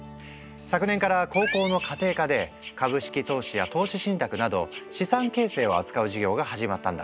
昨年から高校の家庭科で株式投資や投資信託など資産形成を扱う授業が始まったんだ。